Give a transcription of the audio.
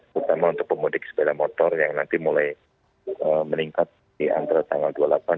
terutama untuk pemudik sepeda motor yang nanti mulai meningkat di antara tanggal dua puluh delapan